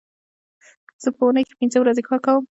زه په اونۍ کې پینځه ورځې کار کوم